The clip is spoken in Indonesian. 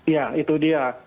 ya itu dia